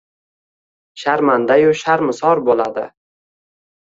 sharmandayu sharmisor bo’ladi.